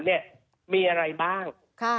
มันมีอะไรบ้าง